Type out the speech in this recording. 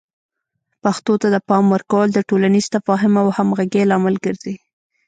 پښتو ته د پام ورکول د ټولنیز تفاهم او همغږۍ لامل ګرځي.